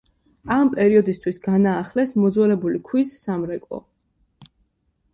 ამ პერიოდისთვის განაახლეს მოძველებული ქვის სამრეკლო.